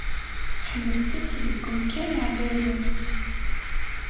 Ḥemdet- t deg umkan ɛlayen!